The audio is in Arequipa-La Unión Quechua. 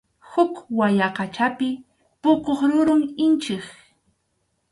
Huk wayaqachapi puquq rurum inchik.